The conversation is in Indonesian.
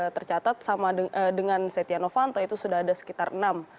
tercatat sama dengan setia novanto itu sudah ada sekitar enam